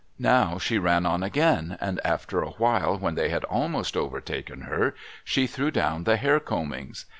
_] Now she ran on again, and after a while when they had almost overtaken her, she threw down the hair combings.